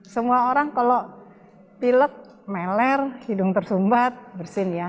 semua orang kalau pilek meler hidung tersumbat bersin ya